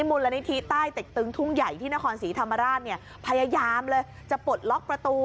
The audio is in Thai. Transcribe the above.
มูลนิธิใต้เต็กตึงทุ่งใหญ่ที่นครศรีธรรมราชเนี่ยพยายามเลยจะปลดล็อกประตู